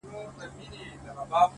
• محتسبه جنتي ستا دي روزي سي ,